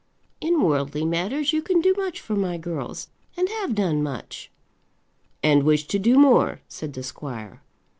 In worldly matters you can do much for my girls, and have done much." "And wish to do more," said the squire.